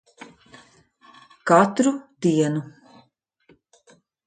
Katru dienu.